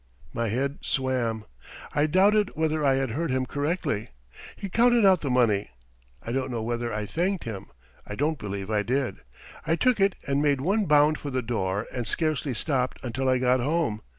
My head swam; I doubted whether I had heard him correctly. He counted out the money. I don't know whether I thanked him; I don't believe I did. I took it and made one bound for the door and scarcely stopped until I got home.